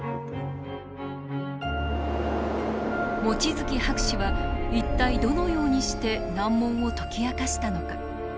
望月博士は一体どのようにして難問を解き明かしたのか。